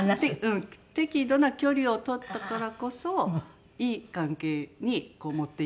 適度な距離を取ったからこそいい関係に持っていけるっていう。